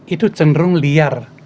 itu cenderung liar